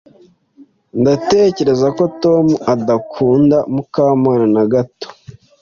Ndatekereza ko Tom adakunda Mukamana na gato.